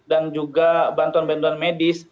dan juga bantuan bantuan medis